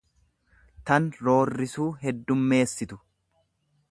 tan roorrisuu heddummeessitu.